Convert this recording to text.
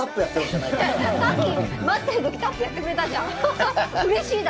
さっき待ってる時タップやってくれたじゃん。